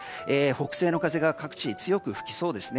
北西の風が各地強く吹きそうですね。